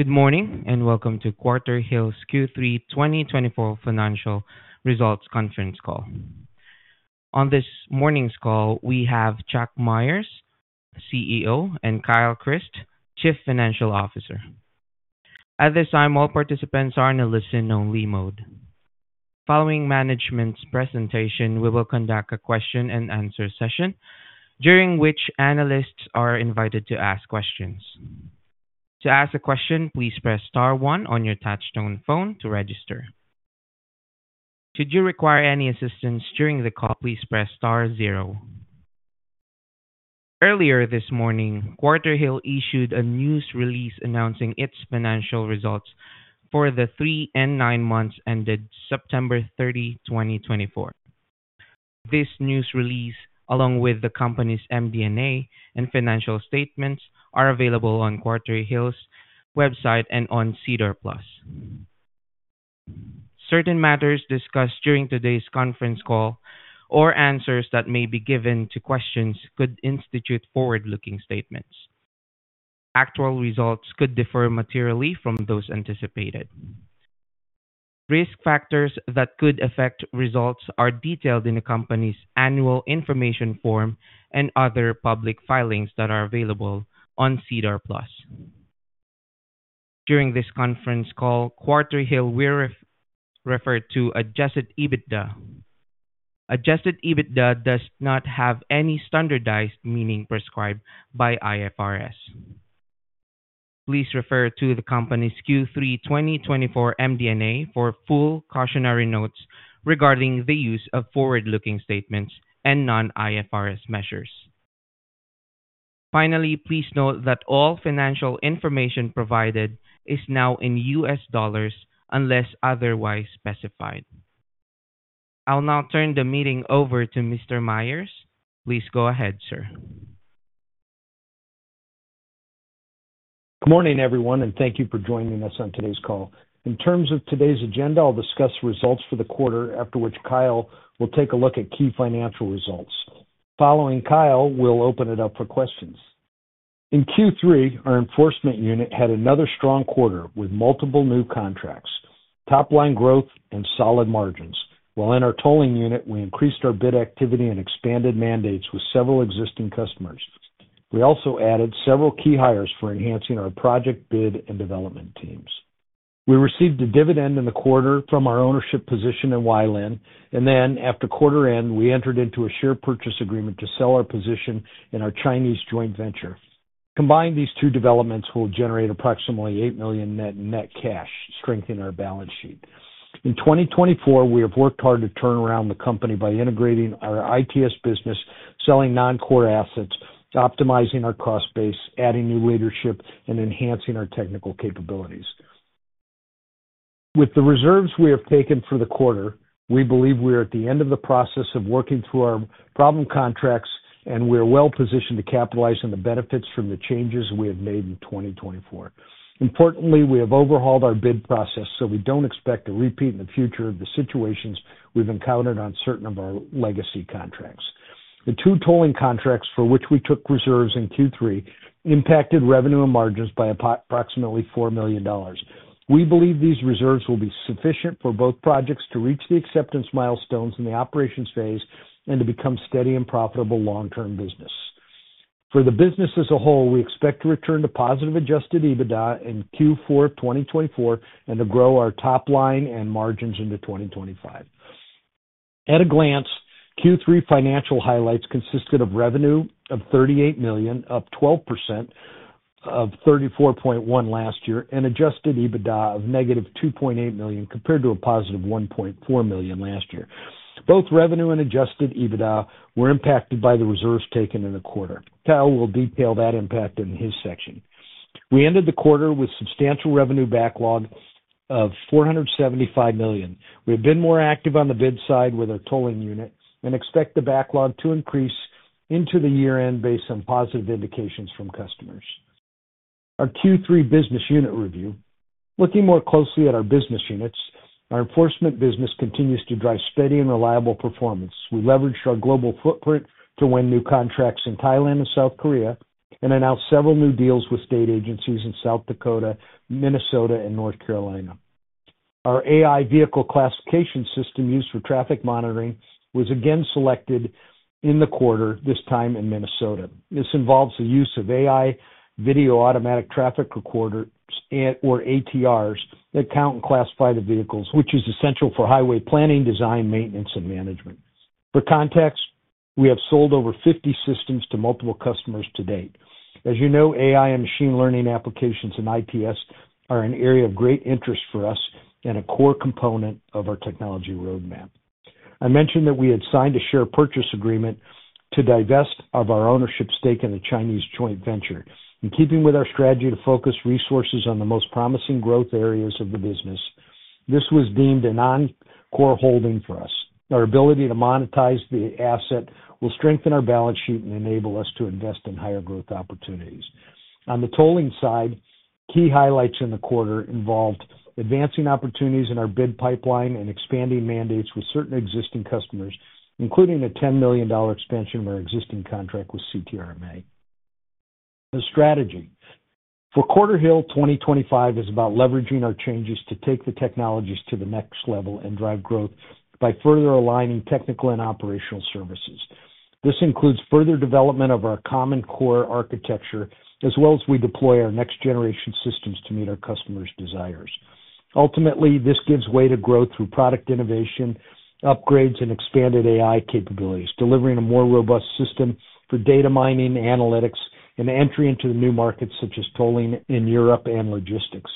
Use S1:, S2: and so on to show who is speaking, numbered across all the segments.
S1: Good morning and welcome to Quarterhill Q3 2024 Financial Results Conference Call. On this morning's call, we have Chuck Myers, CEO, and Kyle Chriest, Chief Financial Officer. At this time, all participants are in a listen-only mode. Following management's presentation, we will conduct a question and answer session during which analysts are invited to ask questions. To ask a question, please press star one on your touch-tone phone to register. Should you require any assistance during the call, please press star zero. Earlier this morning, Quarterhill issued a news release announcing its financial results for the three and nine months ended September 30, 2024. This news release, along with the company's MD&A and financial statements, are available on Quarterhill's website and on SEDAR+. Certain matters discussed during today's conference call or answers that may be given to questions could constitute forward-looking statements. Actual results could differ materially from those anticipated. Risk factors that could affect results are detailed in the company's annual information form and other public filings that are available on SEDAR+. During this conference call, Quarterhill referred to Adjusted EBITDA. Adjusted EBITDA does not have any standardized meaning prescribed by IFRS. Please refer to the company's Q3 2024 MD&A for full cautionary notes regarding the use of forward-looking statements and non-IFRS measures. Finally, please note that all financial information provided is now in U.S. dollars unless otherwise specified. I'll now turn the meeting over to Mr. Myers. Please go ahead, sir.
S2: Good morning, everyone, and thank you for joining us on today's call. In terms of today's agenda, I'll discuss results for the quarter, after which Kyle will take a look at key financial results. Following Kyle, we'll open it up for questions. In Q3, our enforcement unit had another strong quarter with multiple new contracts, top-line growth, and solid margins. While in our tolling unit, we increased our bid activity and expanded mandates with several existing customers. We also added several key hires for enhancing our project bid and development teams. We received a dividend in the quarter from our ownership position in WiLAN, and then after quarter end, we entered into a share purchase agreement to sell our position in our Chinese joint venture. Combined, these two developments will generate approximately $8 million net cash, strengthening our balance sheet. In 2024, we have worked hard to turn around the company by integrating our ITS business, selling non-core assets, optimizing our cost base, adding new leadership, and enhancing our technical capabilities. With the reserves we have taken for the quarter, we believe we are at the end of the process of working through our problem contracts, and we are well positioned to capitalize on the benefits from the changes we have made in 2024. Importantly, we have overhauled our bid process, so we don't expect a repeat in the future of the situations we've encountered on certain of our legacy contracts. The two tolling contracts for which we took reserves in Q3 impacted revenue and margins by approximately $4 million. We believe these reserves will be sufficient for both projects to reach the acceptance milestones in the operations phase and to become steady and profitable long-term business. For the business as a whole, we expect to return to positive Adjusted EBITDA in Q4 2024 and to grow our top line and margins into 2025. At a glance, Q3 financial highlights consisted of revenue of $38 million, up 12% of $34.1 last year, and Adjusted EBITDA of negative $2.8 million compared to a positive $1.4 million last year. Both revenue and Adjusted EBITDA were impacted by the reserves taken in the quarter. Kyle will detail that impact in his section. We ended the quarter with substantial revenue backlog of $475 million. We have been more active on the bid side with our tolling unit and expect the backlog to increase into the year-end based on positive indications from customers. Our Q3 business unit review, looking more closely at our business units, our enforcement business continues to drive steady and reliable performance. We leveraged our global footprint to win new contracts in Thailand and South Korea and announced several new deals with state agencies in South Dakota, Minnesota, and North Carolina. Our AI vehicle classification system used for traffic monitoring was again selected in the quarter, this time in Minnesota. This involves the use of AI Video Automatic Traffic Recorders or ATRs that count and classify the vehicles, which is essential for highway planning, design, maintenance, and management. For context, we have sold over 50 systems to multiple customers to date. As you know, AI and machine learning applications in ITS are an area of great interest for us and a core component of our technology roadmap. I mentioned that we had signed a share purchase agreement to divest of our ownership stake in the Chinese joint venture. In keeping with our strategy to focus resources on the most promising growth areas of the business, this was deemed a non-core holding for us. Our ability to monetize the asset will strengthen our balance sheet and enable us to invest in higher growth opportunities. On the tolling side, key highlights in the quarter involved advancing opportunities in our bid pipeline and expAndyng mandates with certain existing customers, including a $10 million expansion of our existing contract with CTRMA. The strategy for Quarterhill 2025 is about leveraging our changes to take the technologies to the next level and drive growth by further aligning technical and operational services. This includes further development of our Common Core Architecture, as well as we deploy our next-generation systems to meet our customers' desires. Ultimately, this gives way to grow through product innovation, upgrades, and expanded AI capabilities, delivering a more robust system for data mining, analytics, and entry into new markets such as tolling in Europe and logistics.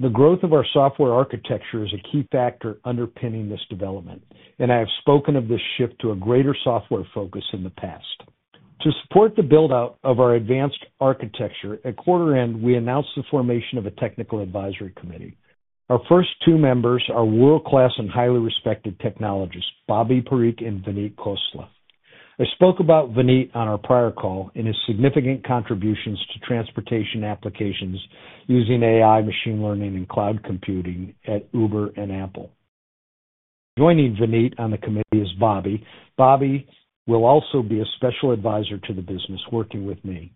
S2: The growth of our software architecture is a key factor underpinning this development, and I have spoken of this shift to a greater software focus in the past. To support the build-out of our advanced architecture, at quarter end, we announced the formation of a technical advisory committee. Our first two members are world-class and highly respected technologists, Bobby Parikh and Vineet Khosla. I spoke about Vineet on our prior call and his significant contributions to transportation applications using AI, machine learning, and cloud computing at Uber and Apple. Joining Vineet on the committee is Bobby. Bobby will also be a special advisor to the business, working with me.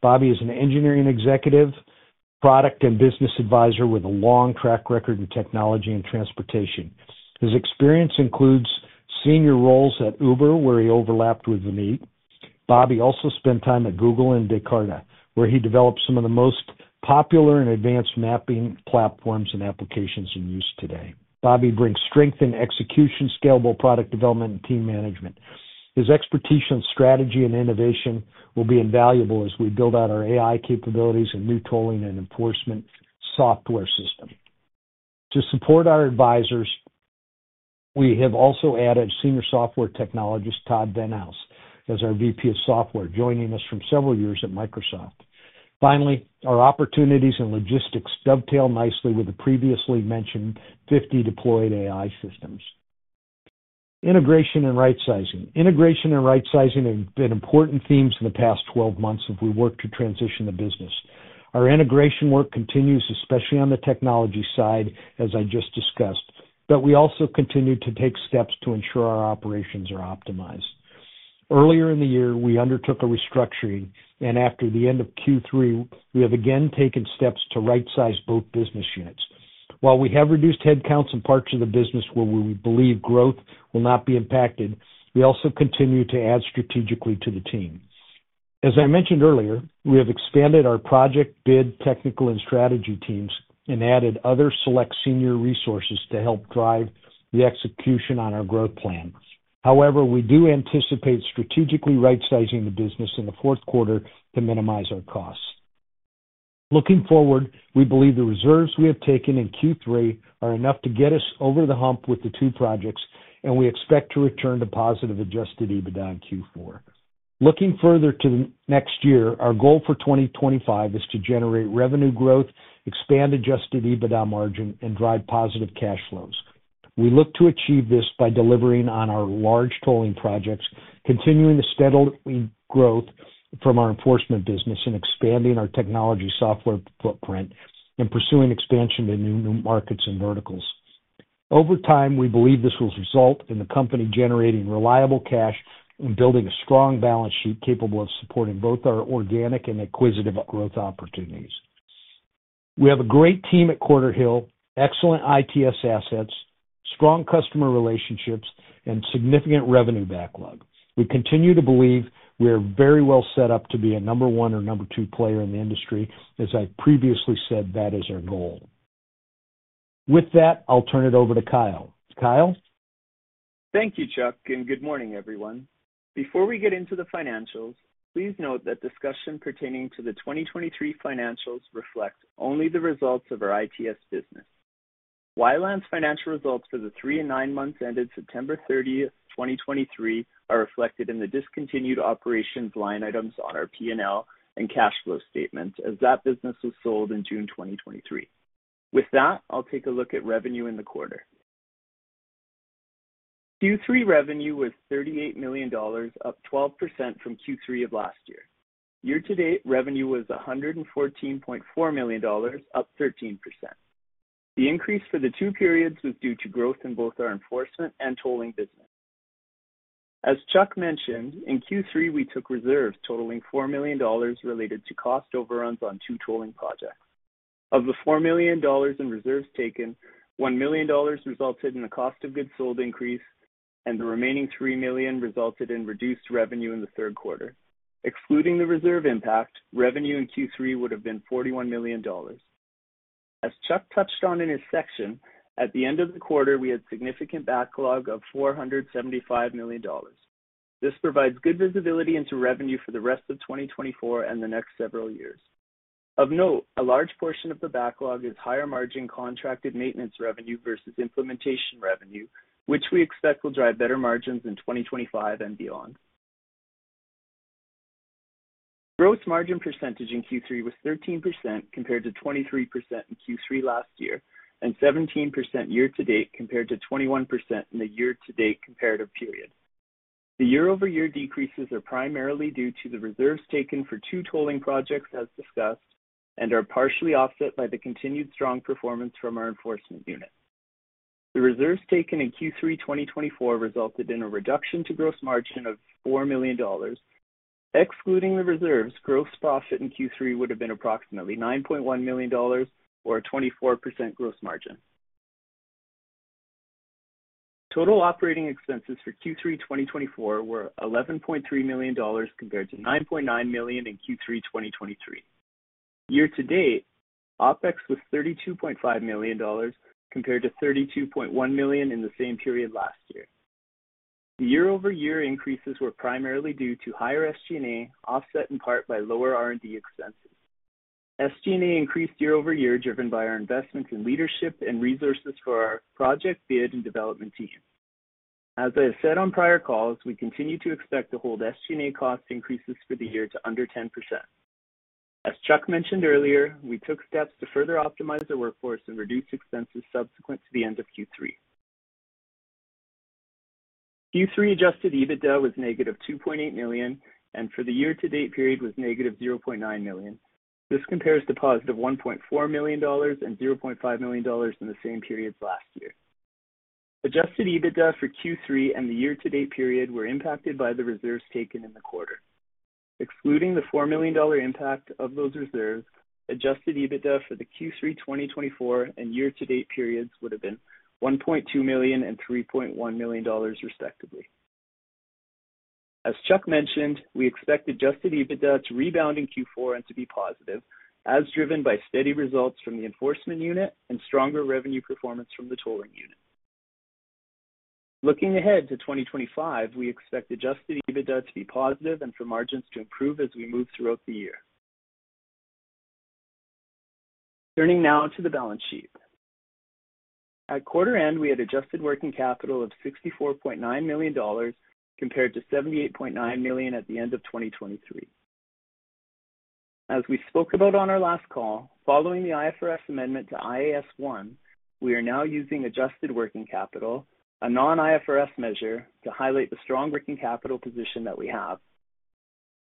S2: Bobby is an engineering executive, product and business advisor with a long track record in technology and transportation. His experience includes senior roles at Uber, where he overlapped with Vineet. Bobby also spent time at Google and [Descartes], where he developed some of the most popular and advanced mapping platforms and applications in use today. Bobby brings strength in execution, scalable product development, and team management. His expertise in strategy and innovation will be invaluable as we build out our AI capabilities and new tolling and enforcement software system. To support our advisors, we have also added senior software technologist, Todd Venhaus, as our VP of software, joining us from several years at Microsoft. Finally, our opportunities in logistics dovetail nicely with the previously mentioned 50 deployed AI systems. Integration and right-sizing. Integration and right-sizing have been important themes in the past 12 months as we work to transition the business. Our integration work continues, especially on the technology side, as I just discussed, but we also continue to take steps to ensure our operations are optimized. Earlier in the year, we undertook a restructuring, and after the end of Q3, we have again taken steps to right-size both business units. While we have reduced headcounts in parts of the business where we believe growth will not be impacted, we also continue to add strategically to the team. As I mentioned earlier, we have expanded our project bid, technical, and strategy teams and added other select senior resources to help drive the execution on our growth plan. However, we do anticipate strategically right-sizing the business in the fourth quarter to minimize our costs. Looking forward, we believe the reserves we have taken in Q3 are enough to get us over the hump with the two projects, and we expect to return to positive Adjusted EBITDA in Q4. Looking further to next year, our goal for 2025 is to generate revenue growth, expand Adjusted EBITDA margin, and drive positive cash flows. We look to achieve this by delivering on our large tolling projects, continuing the steadily growth from our enforcement business, and expAndyng our technology software footprint, and pursuing expansion to new markets and verticals. Over time, we believe this will result in the company generating reliable cash and building a strong balance sheet capable of supporting both our organic and acquisitive growth opportunities. We have a great team at Quarterhill, excellent ITS assets, strong customer relationships, and significant revenue backlog. We continue to believe we are very well set up to be a number one or number two player in the industry. As I previously said, that is our goal. With that, I'll turn it over to Kyle. Kyle?
S3: Thank you, Chuck, and good morning, everyone. Before we get into the financials, please note that discussion pertaining to the 2023 financials reflects only the results of our ITS business. WiLAN's financial results for the three and nine months ended September 30, 2023, are reflected in the discontinued operations line items on our P&L and cash flow statement, as that business was sold in June 2023. With that, I'll take a look at revenue in the quarter. Q3 revenue was $38 million, up 12% from Q3 of last year. Year-to-date revenue was $114.4 million, up 13%. The increase for the two periods was due to growth in both our enforcement and tolling business. As Chuck mentioned, in Q3, we took reserves totaling $4 million related to cost overruns on two tolling projects. Of the $4 million in reserves taken, $1 million resulted in the cost of goods sold increase, and the remaining $3 million resulted in reduced revenue in the third quarter. Excluding the reserve impact, revenue in Q3 would have been $41 million. As Chuck touched on in his section, at the end of the quarter, we had significant backlog of $475 million. This provides good visibility into revenue for the rest of 2024 and the next several years. Of note, a large portion of the backlog is higher margin contracted maintenance revenue versus implementation revenue, which we expect will drive better margins in 2025 and beyond. The gross margin percentage in Q3 was 13% compared to 23% in Q3 last year and 17% year-to-date compared to 21% in the year-to-date comparative period. The year-over-year decreases are primarily due to the reserves taken for two tolling projects, as discussed, and are partially offset by the continued strong performance from our enforcement unit. The reserves taken in Q3 2024 resulted in a reduction to gross margin of $4 million. Excluding the reserves, gross profit in Q3 would have been approximately $9.1 million or a 24% gross margin. Total operating expenses for Q3 2024 were $11.3 million compared to $9.9 million in Q3 2023. Year-to-date, OPEX was $32.5 million compared to $32.1 million in the same period last year. The year-over-year increases were primarily due to higher SG&A, offset in part by lower R&D expenses. SG&A increased year-over-year driven by our investments in leadership and resources for our project bid and development team. As I have said on prior calls, we continue to expect to hold SG&A cost increases for the year to under 10%. As Chuck mentioned earlier, we took steps to further optimize our workforce and reduce expenses subsequent to the end of Q3. Q3 Adjusted EBITDA was -$2.8 million and for the year-to-date period was -$0.9 million. This compares to +$1.4 million and +$0.5 million in the same period last year. Adjusted EBITDA for Q3 and the year-to-date period were impacted by the reserves taken in the quarter. Excluding the $4 million impact of those reserves, Adjusted EBITDA for the Q3 2024 and year-to-date periods would have been $1.2 million and $3.1 million, respectively. As Chuck mentioned, we expect Adjusted EBITDA to rebound in Q4 and to be positive, as driven by steady results from the enforcement unit and stronger revenue performance from the tolling unit. Looking ahead to 2025, we expect Adjusted EBITDA to be positive and for margins to improve as we move throughout the year. Turning now to the balance sheet. At quarter end, we had adjusted working capital of $64.9 million compared to $78.9 million at the end of 2023. As we spoke about on our last call, following the IFRS amendment to IAS 1, we are now using adjusted working capital, a non-IFRS measure, to highlight the strong working capital position that we have.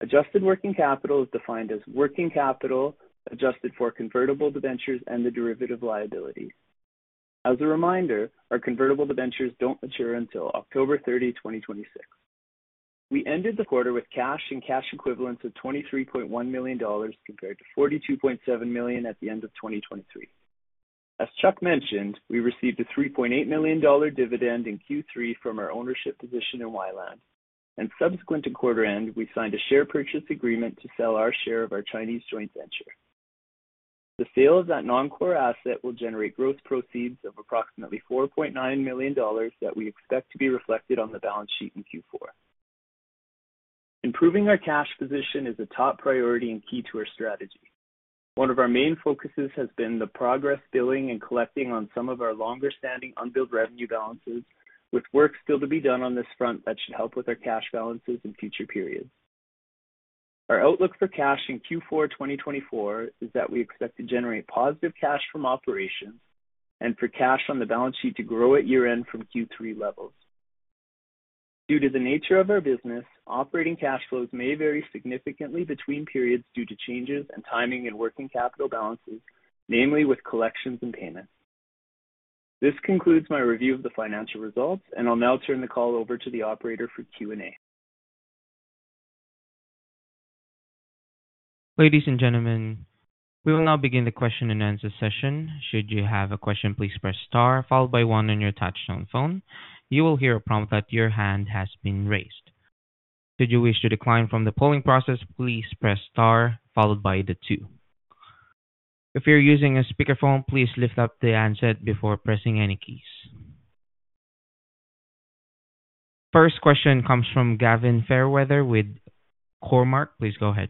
S3: Adjusted working capital is defined as working capital adjusted for convertible debentures and the derivative liabilities. As a reminder, our convertible debentures don't mature until October 30, 2026. We ended the quarter with cash and cash equivalents of $23.1 million compared to $42.7 million at the end of 2023. As Chuck mentioned, we received a $3.8 million dividend in Q3 from our ownership position in WiLAN, and subsequent to quarter end, we signed a share purchase agreement to sell our share of our Chinese joint venture. The sale of that non-core asset will generate gross proceeds of approximately $4.9 million that we expect to be reflected on the balance sheet in Q4. Improving our cash position is a top priority and key to our strategy. One of our main focuses has been the progress billing and collecting on some of our longer-stAndyng unbilled revenue balances, with work still to be done on this front that should help with our cash balances in future periods. Our outlook for cash in Q4 2024 is that we expect to generate positive cash from operations and for cash on the balance sheet to grow at year-end from Q3 levels. Due to the nature of our business, operating cash flows may vary significantly between periods due to changes in timing and working capital balances, namely with collections and payments. This concludes my review of the financial results, and I'll now turn the call over to the operator for Q&A.
S1: Ladies and gentlemen, we will now begin the question and answer session. Should you have a question, please press star, followed by one on your touch-tone phone. You will hear a prompt that your hand has been raised. Should you wish to decline from the polling process, please press star, followed by two. If you're using a speakerphone, please lift up the handset before pressing any keys. First question comes from Gavin Fairweather with Cormark. Please go ahead.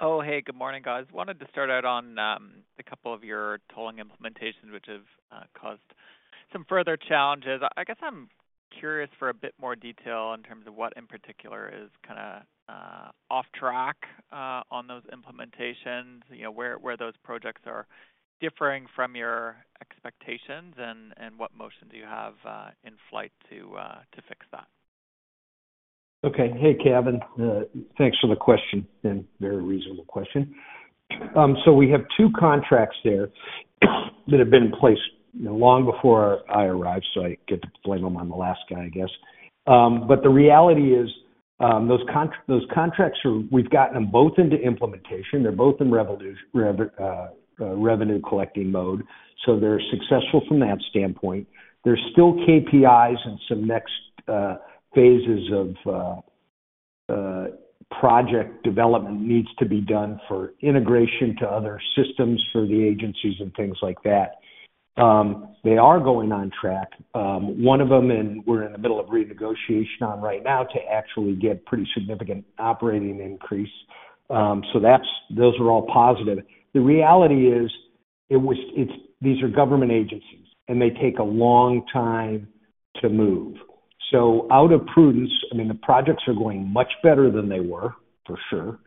S4: Oh, hey, good morning, guys. Wanted to start out on a couple of your tolling implementations, which have caused some further challenges. I guess I'm curious for a bit more detail in terms of what in particular is kind of off track on those implementations, where those projects are differing from your expectations, and what motion do you have in flight to fix that?
S2: Okay. Hey, Gavin. Thanks for the question. Very reasonable question, so we have two contracts there that have been in place long before I arrived, so I get to blame them on the last guy, I guess. But the reality is those contracts, we've gotten them both into implementation. They're both in revenue collecting mode, so they're successful from that standpoint. There's still KPIs and some next phases of project development needs to be done for integration to other systems for the agencies and things like that. They are going on track, one of them and we're in the middle of renegotiation on right now to actually get pretty significant operating increase, so those are all positive. The reality is these are government agencies, and they take a long time to move, so out of prudence, I mean, the projects are going much better than they were, for sure.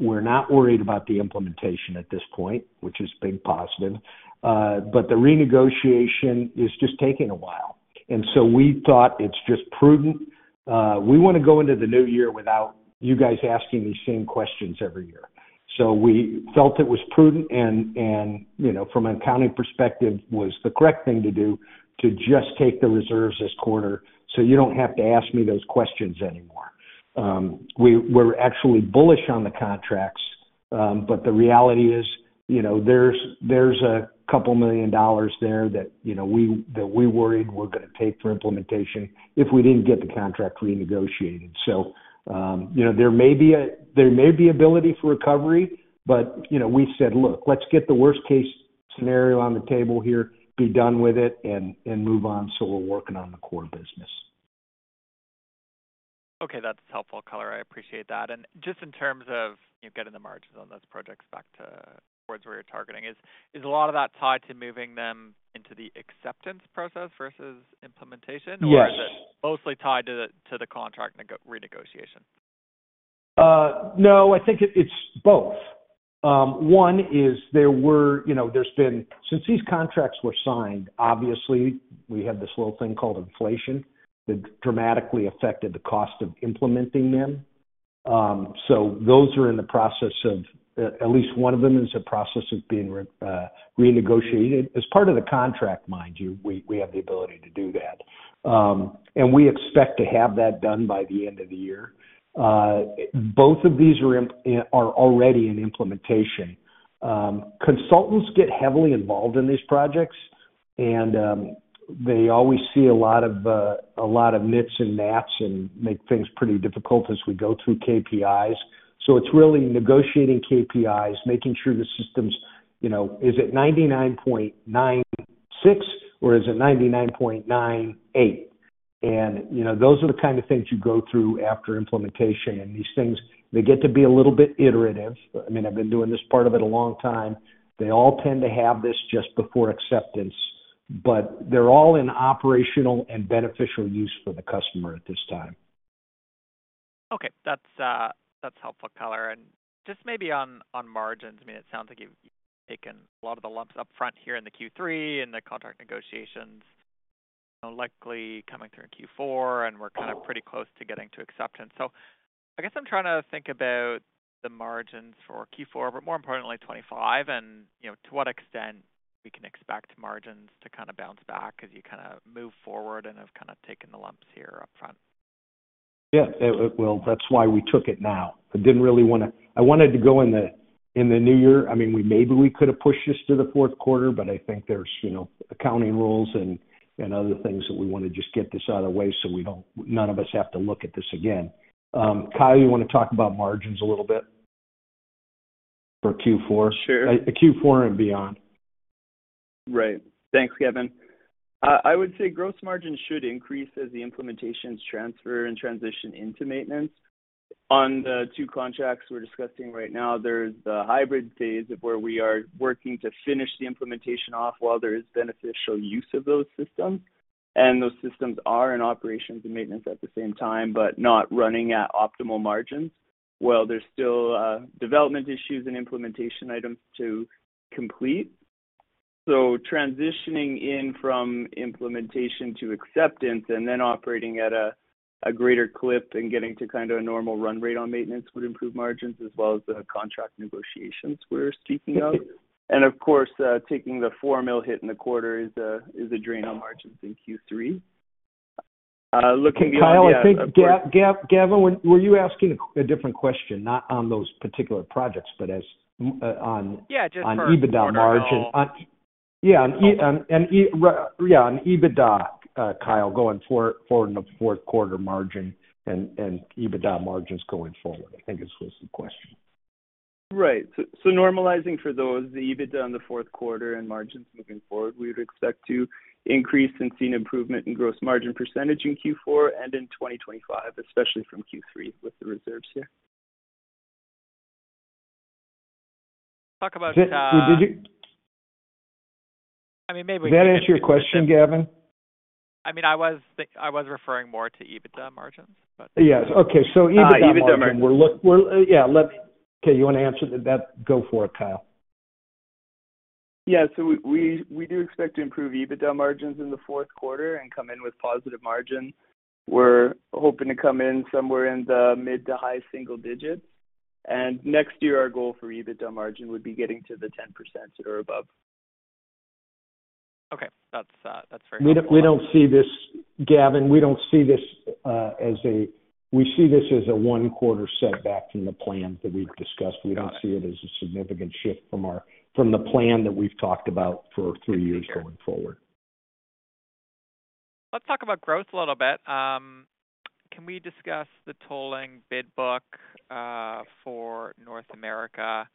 S2: We're not worried about the implementation at this point, which is a big positive. But the renegotiation is just taking a while. And so we thought it's just prudent. We want to go into the new year without you guys asking these same questions every year. So we felt it was prudent and, from an accounting perspective, was the correct thing to do to just take the reserves this quarter so you don't have to ask me those questions anymore. We're actually bullish on the contracts, but the reality is there's $2 million there that we're worried we're going to take for implementation if we didn't get the contract renegotiated. So there may be ability for recovery, but we said, "Look, let's get the worst-case scenario on the table here, be done with it, and move on so we're working on the core business.
S4: Okay. That's helpful, color. I appreciate that. And just in terms of getting the margins on those projects back towards where you're targeting, is a lot of that tied to moving them into the acceptance process versus implementation, or is it
S3: Mostly tied to the contract renegotiation
S2: No, I think it's both. One is there has been since these contracts were signed, obviously, we had this little thing called inflation that dramatically affected the cost of implementing them. So those are in the process of. At least one of them is in the process of being renegotiated. As part of the contract, mind you, we have the ability to do that. And we expect to have that done by the end of the year. Both of these are already in implementation. Consultants get heavily involved in these projects, and they always see a lot of nits and nats and make things pretty difficult as we go through KPIs. So it's really negotiating KPIs, making sure the system's, is it 99.96 or is it 99.98? And those are the kind of things you go through after implementation. These things, they get to be a little bit iterative. I mean, I've been doing this part of it a long time. They all tend to have this just before acceptance, but they're all in operational and beneficial use for the customer at this time.
S4: Okay. That's helpful, color. And just maybe on margins, I mean, it sounds like you've taken a lot of the lumps upfront here in the Q3 and the contract negotiations, likely coming through in Q4, and we're kind of pretty close to getting to acceptance. So I guess I'm trying to think about the margins for Q4, but more importantly, 2025, and to what extent we can expect margins to kind of bounce back as you kind of move forward and have kind of taken the lumps here upfront.
S2: Yeah. Well, that's why we took it now. I didn't really want to. I wanted to go in the new year. I mean, maybe we could have pushed this to the fourth quarter, but I think there's accounting rules and other things that we want to just get this out of the way so none of us have to look at this again. Kyle, you want to talk about margins a little bit for Q4?
S3: Sure.
S2: Q4 and beyond.
S3: Right. Thanks, Gavin. I would say gross margins should increase as the implementations transfer and transition into maintenance. On the two contracts we're discussing right now, there's the hybrid phase of where we are working to finish the implementation off while there is beneficial use of those systems. And those systems are in operations and maintenance at the same time, but not running at optimal margins while there's still development issues and implementation items to complete. So transitioning in from implementation to acceptance and then operating at a greater clip and getting to kind of a normal run rate on maintenance would improve margins as well as the contract negotiations we're speaking of. And of course, taking the $4 million hit in the quarter is a drain on margins in Q3. Looking beyond that.
S2: Kyle, I think Gavin, were you asking a different question, not on those particular projects, but on?
S4: Yeah, just on margins.
S2: On EBITDA margin? Yeah, on EBITDA, Kyle, going forward in the fourth quarter, margin and EBITDA margins going forward. I think it's just the question.
S3: Right. So normalizing for those, the EBITDA in the fourth quarter and margins moving forward, we would expect to increase and see an improvement in gross margin percentage in Q4 and in 2025, especially from Q3 with the reserves here.
S4: Talk about.
S2: Did you?
S4: I mean, maybe we can.
S2: Did that answer your question, Gavin?
S4: I mean, I was referring more to EBITDA margins, but.
S2: Yes. Okay. So EBITDA margin. Yeah. Okay. You want to answer that? Go for it, Kyle.
S3: Yeah, so we do expect to improve EBITDA margins in the fourth quarter and come in with positive margins. We're hoping to come in somewhere in the mid to high single digits, and next year, our goal for EBITDA margin would be getting to 10% or above.
S4: Okay. That's very helpful.
S2: We don't see this, Gavin. We see this as a one-quarter setback from the plan that we've discussed. We don't see it as a significant shift from the plan that we've talked about for three years going forward.
S4: Let's talk about growth a little bit. Can we discuss the tolling bid book for North America?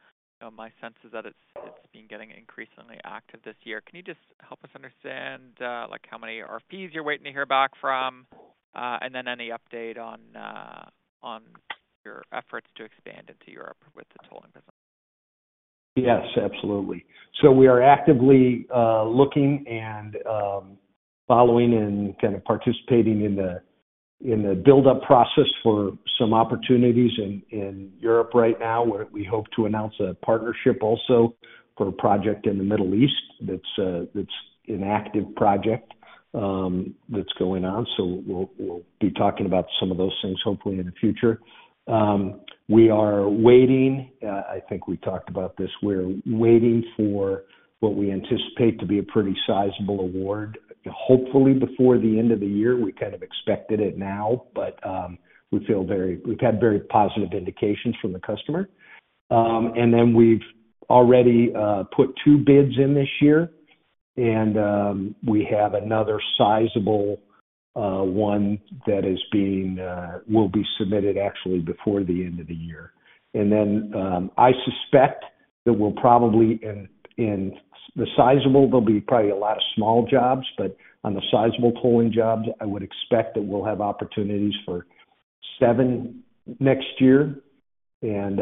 S4: My sense is that it's been getting increasingly active this year. Can you just help us understand how many RFPs you're waiting to hear back from, and then any update on your efforts to expand into Europe with the tolling business?
S2: Yes, absolutely, so we are actively looking and following and kind of participating in the build-up process for some opportunities in Europe right now, where we hope to announce a partnership also for a project in the Middle East that's an active project that's going on, so we'll be talking about some of those things, hopefully, in the future. We are waiting. I think we talked about this. We're waiting for what we anticipate to be a pretty sizable award, hopefully before the end of the year. We kind of expected it now, but we feel we've had very positive indications from the customer. And then we've already put two bids in this year, and we have another sizable one that will be submitted actually before the end of the year. And then I suspect that we'll probably in the sizable. There'll be probably a lot of small jobs, but on the sizable tolling jobs, I would expect that we'll have opportunities for seven next year. And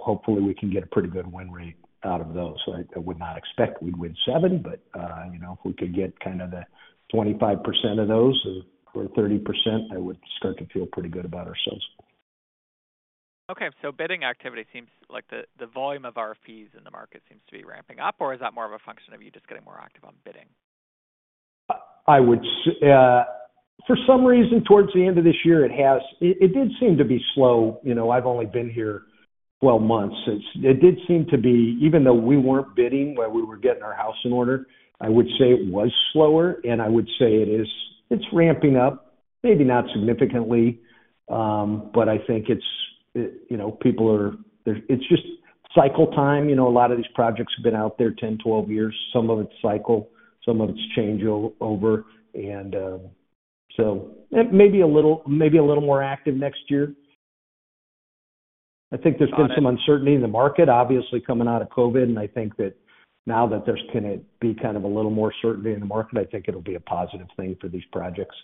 S2: hopefully, we can get a pretty good win rate out of those. I would not expect we'd win seven, but if we could get kind of the 25% of those or 30%, I would start to feel pretty good about ourselves.
S4: Okay. Bidding activity seems like the volume of RFPs in the market seems to be ramping up, or is that more of a function of you just getting more active on bidding?
S2: For some reason, towards the end of this year, it did seem to be slow. I've only been here 12 months. It did seem to be, even though we weren't bidding while we were getting our house in order, I would say it was slower, and I would say it is it's ramping up, maybe not significantly, but I think it's people are it's just cycle time. A lot of these projects have been out there 10, 12 years. Some of it's cycle. Some of it's changeover, and so maybe a little more active next year. I think there's been some uncertainty in the market, obviously, coming out of COVID, and I think that now that there's going to be kind of a little more certainty in the market, I think it'll be a positive thing for these projects.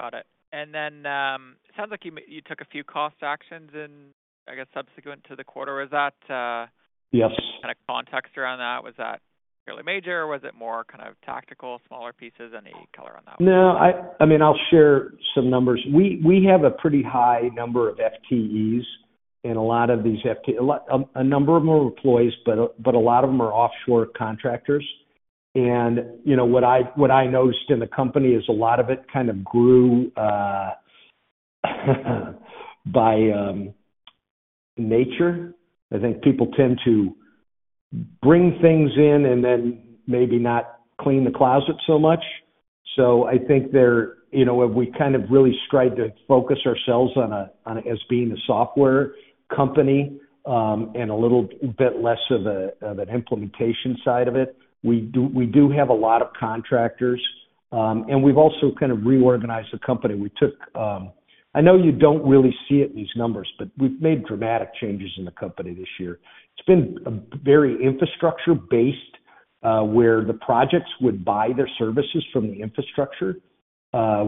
S4: Got it. And then it sounds like you took a few cost actions in, I guess, subsequent to the quarter. Is that?
S2: Yes.
S4: Kind of context around that? Was that fairly major, or was it more kind of tactical, smaller pieces? Any color on that?
S2: No. I mean, I'll share some numbers. We have a pretty high number of FTEs in a lot of these FTEs, a number of more employees, but a lot of them are offshore contractors, and what I noticed in the company is a lot of it kind of grew by nature. I think people tend to bring things in and then maybe not clean the closet so much, so I think we kind of really strive to focus ourselves as being a software company and a little bit less of an implementation side of it. We do have a lot of contractors, and we've also kind of reorganized the company. I know you don't really see it in these numbers, but we've made dramatic changes in the company this year. It's been very infrastructure-based, where the projects would buy their services from the infrastructure.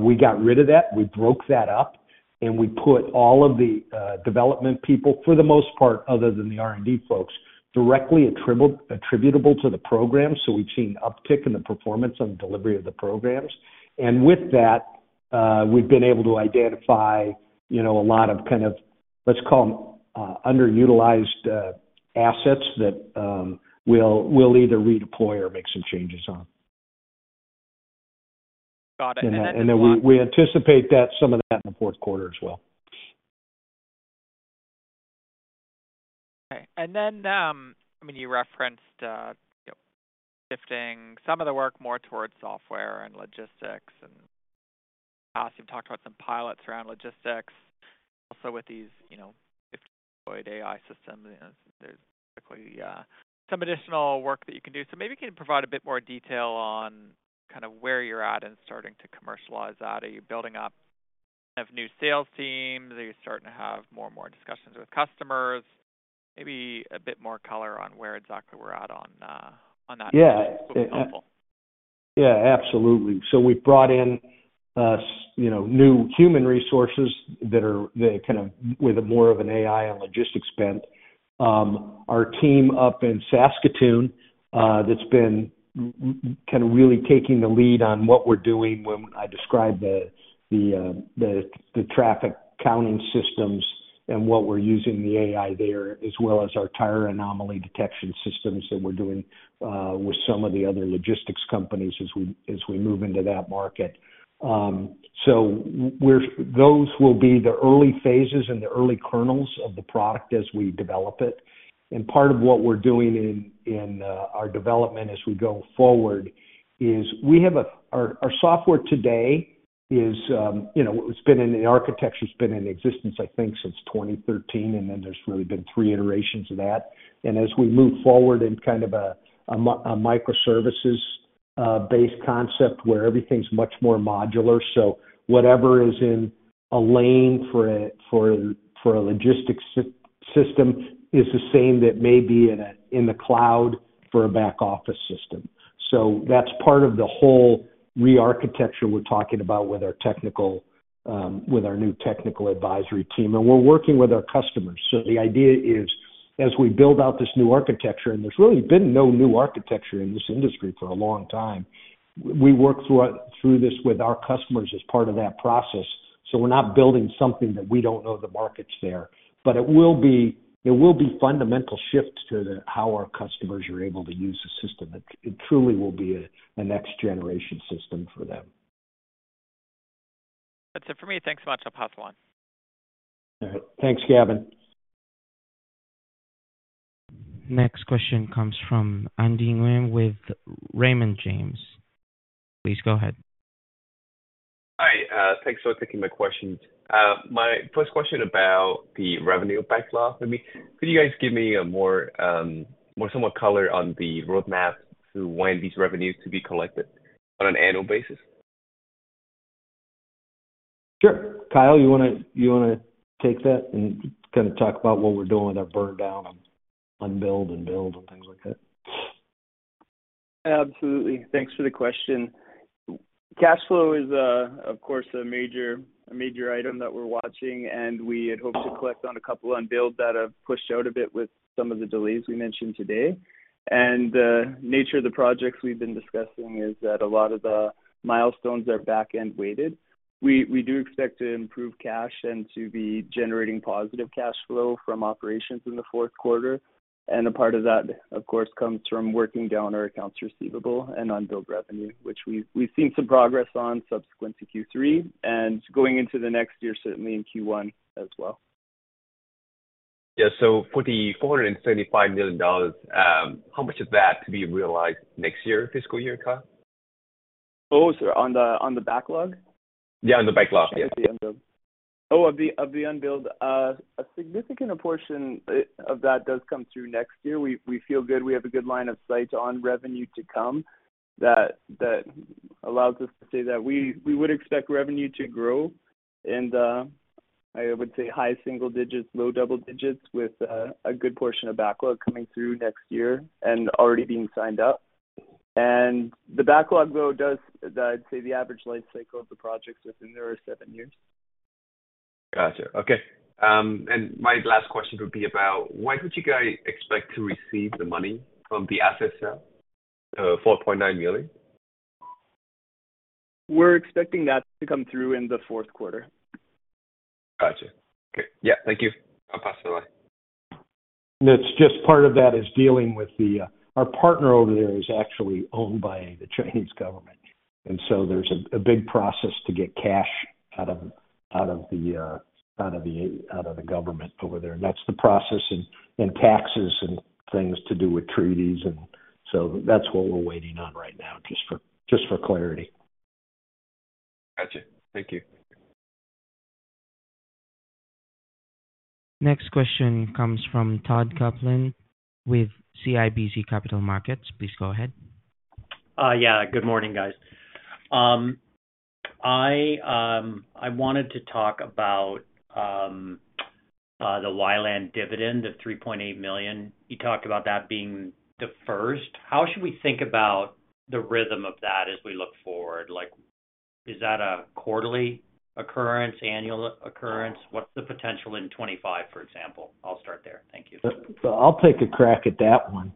S2: We got rid of that. We broke that up, and we put all of the development people, for the most part, other than the R&D folks, directly attributable to the program. So we've seen uptick in the performance and delivery of the programs. And with that, we've been able to identify a lot of kind of, let's call them, underutilized assets that we'll either redeploy or make some changes on.
S4: Got it.
S2: And then we anticipate some of that in the fourth quarter as well.
S4: Okay. And then, I mean, you referenced shifting some of the work more towards software and logistics. In the past, you've talked about some pilots around logistics. Also with these deployed AI systems, there's typically some additional work that you can do. So maybe you can provide a bit more detail on kind of where you're at in starting to commercialize that. Are you building up kind of new sales teams? Are you starting to have more and more discussions with customers? Maybe a bit more color on where exactly we're at on that?
S2: Yeah.
S4: Would be helpful.
S2: Yeah, absolutely. So we've brought in new human resources that are kind of with more of an AI and logistics bent. Our team up in Saskatoon that's been kind of really taking the lead on what we're doing when I describe the traffic counting systems and what we're using the AI there as well as our tire anomaly detection systems that we're doing with some of the other logistics companies as we move into that market. So those will be the early phases and the early kernels of the product as we develop it. And part of what we're doing in our development as we go forward is we have our software today. It's been in the architecture. It's been in existence, I think, since 2013, and then there's really been three iterations of that. And as we move forward in kind of a microservices-based concept where everything's much more modular, so whatever is in a lane for a logistics system is the same that may be in the cloud for a back-office system. So that's part of the whole re-architecture we're talking about with our new technical advisory team. And we're working with our customers. So the idea is, as we build out this new architecture, and there's really been no new architecture in this industry for a long time, we work through this with our customers as part of that process. So we're not building something that we don't know the market's there, but it will be fundamental shifts to how our customers are able to use the system. It truly will be a next-generation system for them.
S4: That's it for me. Thanks so much. I'll pass along.
S2: All right. Thanks, Gavin.
S1: Next question comes from Andy Nguyen with Raymond James. Please go ahead.
S5: Hi. Thanks for taking my questions. My first question about the revenue backlog. I mean, could you guys give me more somewhat color on the roadmap to when these revenues to be collected on an annual basis?
S2: Sure. Kyle, you want to take that and kind of talk about what we're doing with our burn down on build and build and things like that?
S3: Absolutely. Thanks for the question. Cash flow is, of course, a major item that we're watching, and we had hoped to collect on a couple of unbilled that have pushed out a bit with some of the delays we mentioned today. And the nature of the projects we've been discussing is that a lot of the milestones are back-end weighted. We do expect to improve cash and to be generating positive cash flow from operations in the fourth quarter. And a part of that, of course, comes from working down our accounts receivable and unbilled revenue, which we've seen some progress on subsequent to Q3 and going into the next year, certainly in Q1 as well.
S5: Yeah. So for the $475 million, how much of that to be realized next year, fiscal year, Kyle?
S3: Oh, sorry. On the backlog?
S5: Yeah, on the backlog, yeah.
S3: Oh, of the unbilled, a significant portion of that does come through next year. We feel good. We have a good line of sight on revenue to come that allows us to say that we would expect revenue to grow. And I would say high single digits, low double digits with a good portion of backlog coming through next year and already being signed up. And the backlog, though, does, I'd say, the average life cycle of the projects within there are seven years.
S5: Gotcha. Okay. And my last question would be about when would you guys expect to receive the money from the asset sale, the $4.9 million?
S3: We're expecting that to come through in the fourth quarter.
S5: Gotcha. Okay. Yeah. Thank you. I'll pass it along.
S2: That's just part of that is dealing with our partner over there is actually owned by the Chinese government. And so there's a big process to get cash out of the government over there. And that's the process and taxes and things to do with treaties. And so that's what we're waiting on right now, just for clarity.
S5: Gotcha. Thank you.
S1: Next question comes from Todd Coupland with CIBC Capital Markets. Please go ahead.
S6: Yeah. Good morning, guys. I wanted to talk about the WiLAN dividend of $3.8 million. You talked about that being the first. How should we think about the rhythm of that as we look forward? Is that a quarterly occurrence, annual occurrence? What's the potential in 2025, for example? I'll start there. Thank you.
S2: I'll take a crack at that one.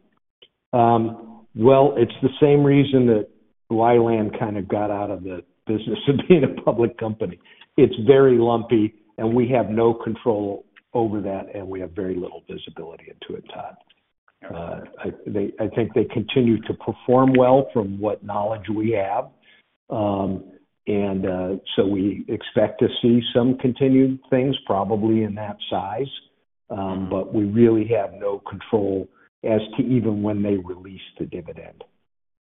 S2: It's the same reason that WiLAN kind of got out of the business of being a public company. It's very lumpy, and we have no control over that, and we have very little visibility into it, Todd. I think they continue to perform well from what knowledge we have. We expect to see some continued things, probably in that size, but we really have no control as to even when they release the dividend.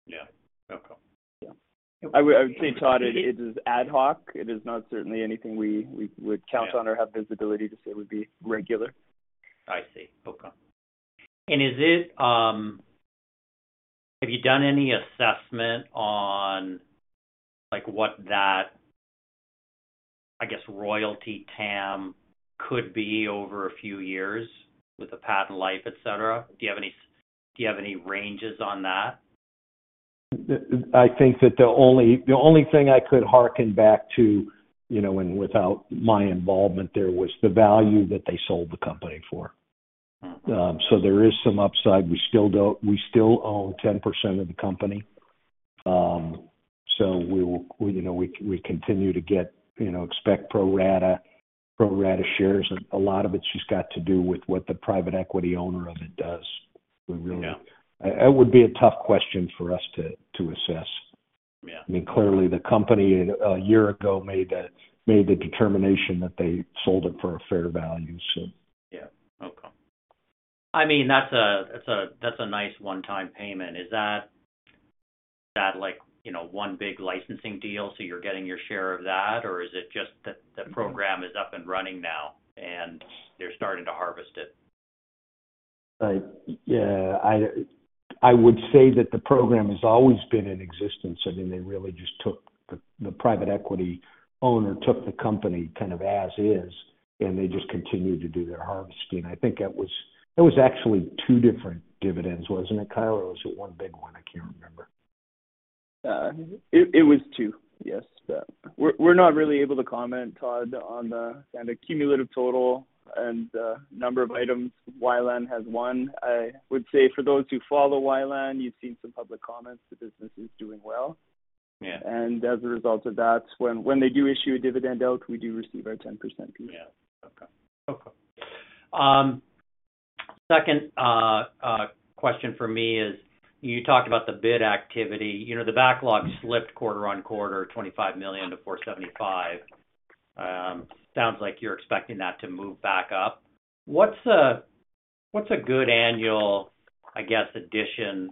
S6: Yeah. Okay.
S3: Yeah. I would say, Todd, it is ad hoc. It is not certainly anything we would count on or have visibility to say would be regular.
S6: I see. Okay. And have you done any assessment on what that, I guess, royalty TAM could be over a few years with the patent life, etc.? Do you have any ranges on that?
S2: I think that the only thing I could hearken back to without my involvement there was the value that they sold the company for. So there is some upside. We still own 10% of the company. So we continue to expect pro rata shares. A lot of it's just got to do with what the private equity owner of it does. It would be a tough question for us to assess. I mean, clearly, the company a year ago made the determination that they sold it for a fair value, so.
S6: Yeah. Okay. I mean, that's a nice one-time payment. Is that one big licensing deal? So you're getting your share of that, or is it just that the program is up and running now, and they're starting to harvest it?
S2: Yeah. I would say that the program has always been in existence. I mean, they really just took the private equity owner took the company kind of as is, and they just continued to do their harvesting. I think that was actually two different dividends, wasn't it, Kyle? Or was it one big one? I can't remember.
S3: It was two, yes. We're not really able to comment, Todd, on the kind of cumulative total and the number of items WiLAN has won. I would say for those who follow WiLAN, you've seen some public comments that the business is doing well. And as a result of that, when they do issue a dividend out, we do receive our 10% piece.
S6: Second question for me is you talked about the bid activity. The backlog slipped quarter on quarter, $25 million-$475 million. Sounds like you're expecting that to move back up. What's a good annual, I guess, addition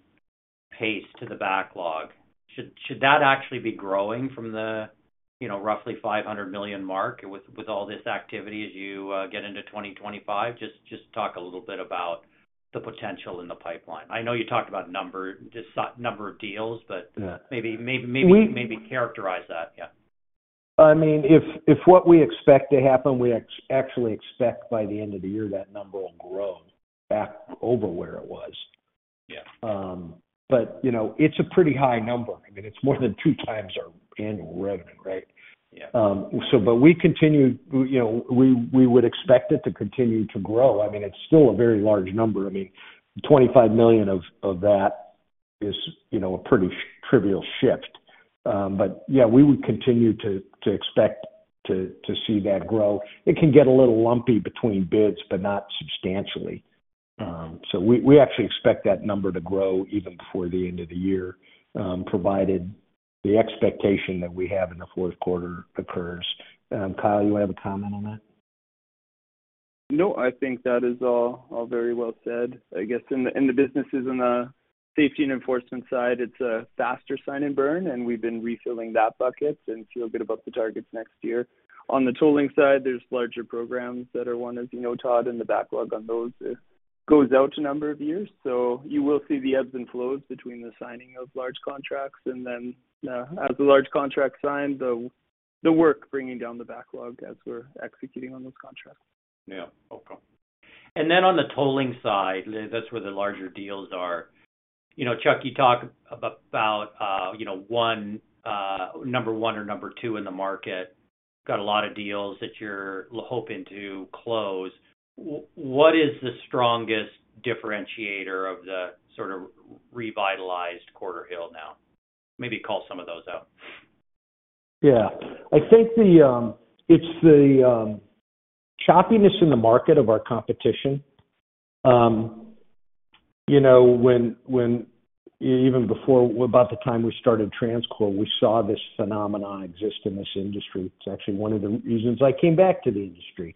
S6: pace to the backlog? Should that actually be growing from the roughly $500 million mark with all this activity as you get into 2025? Just talk a little bit about the potential in the pipeline. I know you talked about number of deals, but maybe characterize that.
S2: I mean, if what we expect to happen, we actually expect by the end of the year that number will grow back over where it was. But it's a pretty high number. I mean, it's more than 2x our annual revenue, right? But we would expect it to continue to grow. I mean, it's still a very large number. I mean, $25 million of that is a pretty trivial shift. But yeah, we would continue to expect to see that grow. It can get a little lumpy between bids, but not substantially. So we actually expect that number to grow even before the end of the year, provided the expectation that we have in the fourth quarter occurs. Kyle, you want to have a comment on that?
S3: No, I think that is all very well said. I guess in the businesses on the safety and enforcement side, it's a faster sign and burn, and we've been refilling that bucket and feel good about the targets next year. On the tolling side, there's larger programs that are won, as you know, Todd, and the backlog on those goes out a number of years. So you will see the ebbs and flows between the signing of large contracts. And then as the large contract signs, the work bringing down the backlog as we're executing on those contracts.
S6: Yeah. Okay. And then on the tolling side, that's where the larger deals are. Chuck, you talk about number one or number two in the market. Got a lot of deals that you're hoping to close. What is the strongest differentiator of the sort of revitalized Quarterhill now? Maybe call some of those out.
S2: Yeah. I think it's the choppiness in the market of our competition. Even about the time we started TransCore, we saw this phenomenon exist in this industry. It's actually one of the reasons I came back to the industry,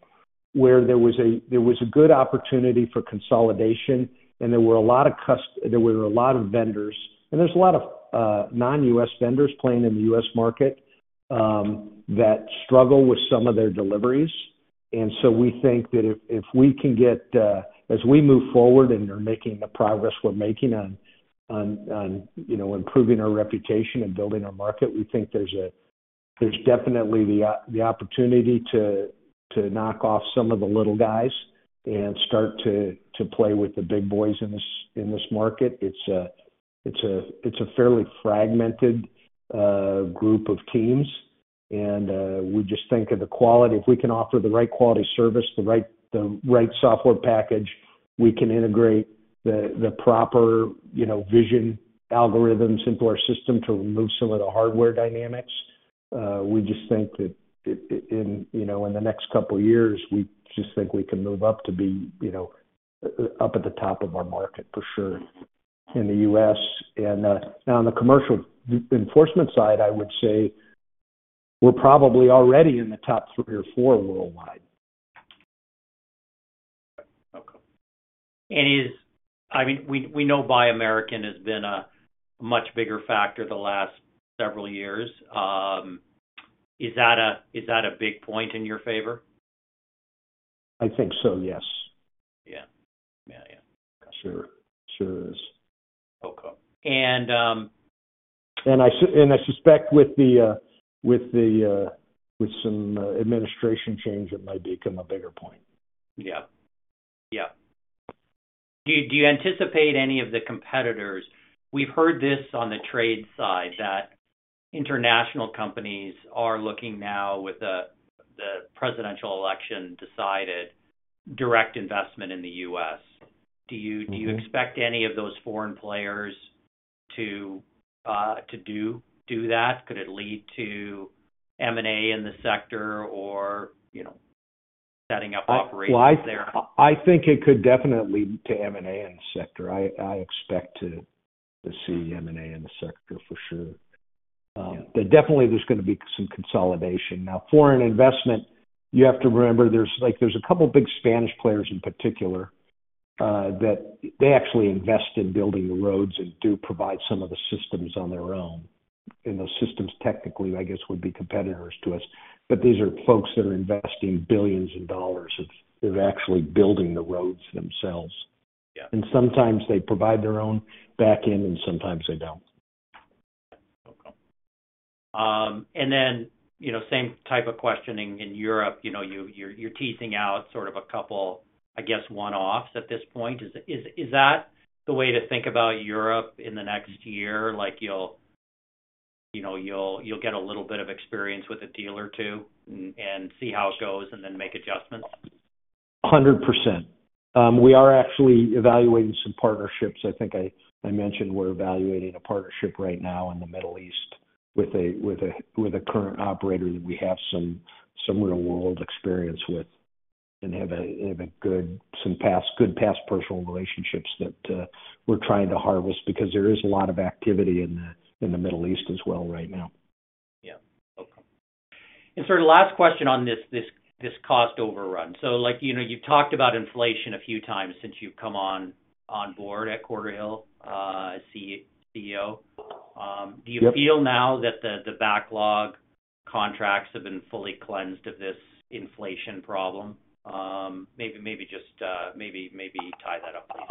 S2: where there was a good opportunity for consolidation, and there were a lot of vendors. And there's a lot of non-U.S. vendors playing in the U.S. market that struggle with some of their deliveries. And so we think that if we can get, as we move forward and are making the progress we're making on improving our reputation and building our market, we think there's definitely the opportunity to knock off some of the little guys and start to play with the big boys in this market. It's a fairly fragmented group of teams. And we just think of the quality. If we can offer the right quality service, the right software package, we can integrate the proper vision algorithms into our system to remove some of the hardware dynamics. We just think that in the next couple of years, we just think we can move up to be up at the top of our market, for sure, in the U.S., and on the commercial enforcement side, I would say we're probably already in the top three or four worldwide.
S6: Okay. And I mean, we know Buy American has been a much bigger factor the last several years. Is that a big point in your favor?
S2: I think so, yes.
S6: Yeah. Yeah. Yeah. Okay.
S2: Sure is.
S6: Okay. And.
S2: I suspect with some administration change, it might become a bigger point.
S6: Yeah. Yeah. Do you anticipate any of the competitors? We've heard this on the trade side that international companies are looking now, with the presidential election decided, direct investment in the U.S. Do you expect any of those foreign players to do that? Could it lead to M&A in the sector or setting up operations there?
S2: I think it could definitely lead to M&A in the sector. I expect to see M&A in the sector, for sure. But definitely, there's going to be some consolidation. Now, foreign investment, you have to remember there's a couple of big Spanish players in particular that they actually invest in building the roads and do provide some of the systems on their own. And those systems, technically, I guess, would be competitors to us. But these are folks that are investing billions of dollars in actually building the roads themselves. And sometimes they provide their own backend, and sometimes they don't.
S6: Yeah. Okay, and then same type of questioning in Europe. You're teasing out sort of a couple, I guess, one-offs at this point. Is that the way to think about Europe in the next year? You'll get a little bit of experience with a deal or two and see how it goes and then make adjustments?
S2: 100%. We are actually evaluating some partnerships. I think I mentioned we're evaluating a partnership right now in the Middle East with a current operator that we have some real-world experience with and have some past personal relationships that we're trying to harvest because there is a lot of activity in the Middle East as well right now.
S6: Yeah. Okay. And sort of last question on this cost overrun. So you've talked about inflation a few times since you've come on board at Quarterhill, CEO. Do you feel now that the backlog contracts have been fully cleansed of this inflation problem? Maybe just maybe tie that up, please.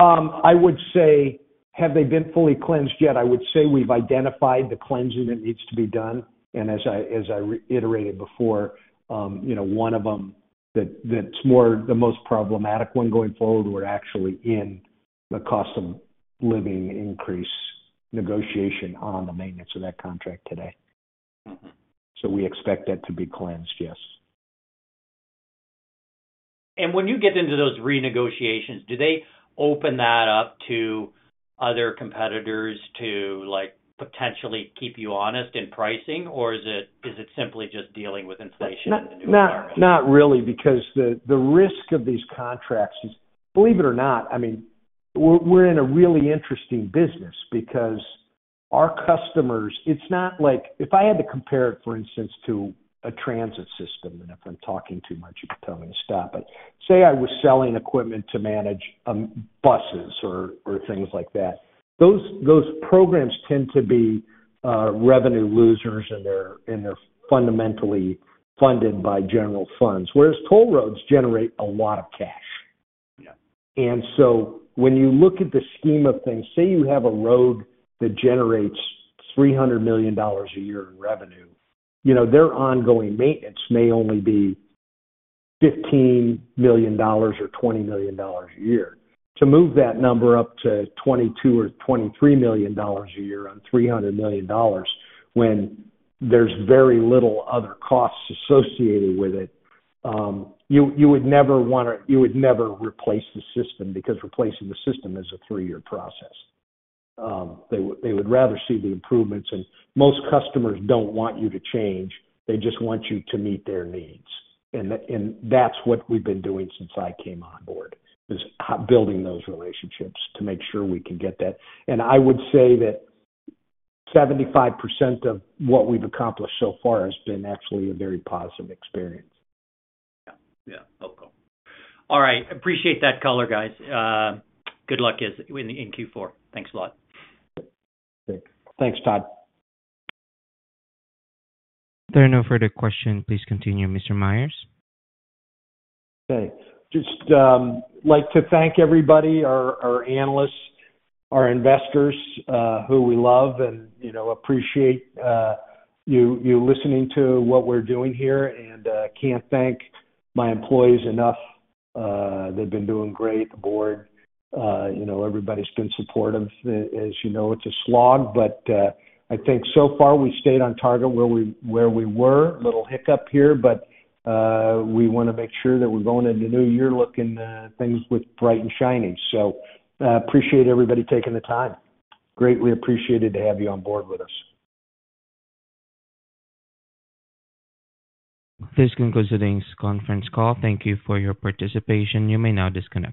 S2: I would say, have they been fully cleansed yet? I would say we've identified the cleansing that needs to be done. And as I iterated before, one of them that's the most problematic one going forward, we're actually in the cost of living increase negotiation on the maintenance of that contract today. So we expect that to be cleansed, yes.
S6: When you get into those renegotiations, do they open that up to other competitors to potentially keep you honest in pricing, or is it simply just dealing with inflation in the new environment?
S2: Not really, because the risk of these contracts, believe it or not, I mean, we're in a really interesting business because our customers - if I had to compare it, for instance, to a transit system, and if I'm talking too much, you can tell me to stop. But say I was selling equipment to manage buses or things like that. Those programs tend to be revenue losers, and they're fundamentally funded by general funds, whereas toll roads generate a lot of cash. And so when you look at the scheme of things, say you have a road that generates $300 million a year in revenue, their ongoing maintenance may only be $15 million or $20 million a year. To move that number up to $22 or $23 million a year on $300 million, when there's very little other costs associated with it, you would never want to replace the system because replacing the system is a three-year process. They would rather see the improvements. And most customers don't want you to change. They just want you to meet their needs. And that's what we've been doing since I came on board, is building those relationships to make sure we can get that. And I would say that 75% of what we've accomplished so far has been actually a very positive experience.
S6: Yeah. Yeah. Okay. All right. Appreciate that color, guys. Good luck in Q4. Thanks a lot.
S2: Thanks, Todd.
S1: If there are no further questions, please continue, Mr. Myers.
S2: Thanks. Just like to thank everybody, our analysts, our investors, who we love and appreciate you listening to what we're doing here. And can't thank my employees enough. They've been doing great. The board, everybody's been supportive. As you know, it's a slog, but I think so far we stayed on target where we were. A little hiccup here, but we want to make sure that we're going into the new year looking at things with bright and shiny. So appreciate everybody taking the time. Greatly appreciated to have you on board with us.
S1: This concludes today's conference call. Thank you for your participation. You may now disconnect.